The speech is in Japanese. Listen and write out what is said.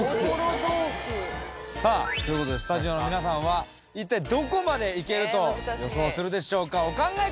さぁということでスタジオの皆さんは一体どこまで行けると予想するでしょうか？